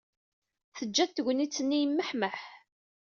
Teǧǧa-t tegnit-nni yemmehmeh.